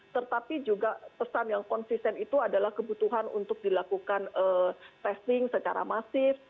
tetapi juga pesan yang konsisten itu adalah kebutuhan untuk dilakukan testing secara masif